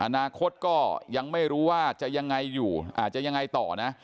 อนาคตก็ยังไม่รู้ว่าจะยังไงอยู่อาจจะยังไงต่อนะ